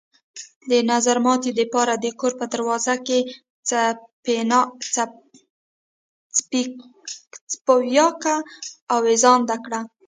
د نظرماتي د پاره د كور په دروازه کښې څپياكه اوېزانده کړه۔